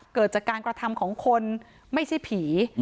เกิดจากการกระทำของคนไม่ใช่ผี